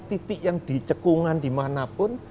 titik yang dicekungan dimanapun